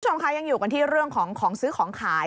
คุณผู้ชมคะยังอยู่กันที่เรื่องของของซื้อของขาย